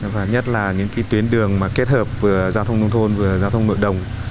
và nhất là những tuyến đường kết hợp vừa giao thông nông thôn vừa giao thông nội đồng